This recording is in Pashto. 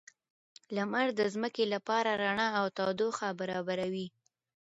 لمر د ځمکې لپاره رڼا او تودوخه برابروي